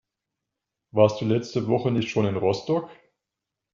Warst du letzte Woche nicht schon in Rostock?